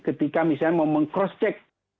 ketika misalnya mau meng cross check